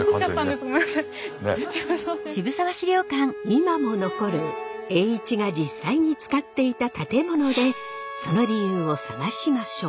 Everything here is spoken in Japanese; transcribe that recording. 今も残る栄一が実際に使っていた建物でその理由を探しましょう。